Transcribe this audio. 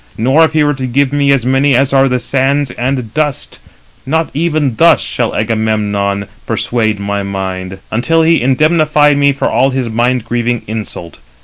Nor if he were to give me as many as are the sands and dust, not even thus shall Agamemnon now persuade my mind, until he indemnify me for all his mind grieving insult.